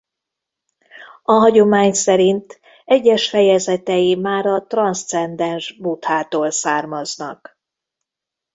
A hagyomány szerint egyes fejezetei már a transzcendens Buddhától származnak.